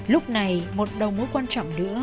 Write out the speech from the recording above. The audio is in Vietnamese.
lúc này một đầu mũi quan trọng nữa